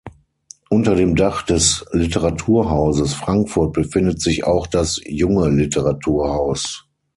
Unter dem Dach des Literaturhauses Frankfurt befindet sich auch das Junge Literaturhaus.